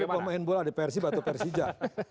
di tangan pemain bola di persi batu persija